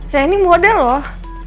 saya ini model loh